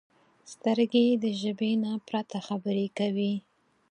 سترګې د ژبې نه پرته خبرې کوي